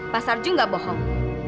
pak sarju gak bohong